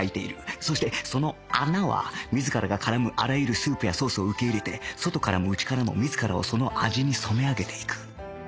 そしてその穴は自らが絡むあらゆるスープやソースを受け入れて外からも内からも自らをその味に染め上げていく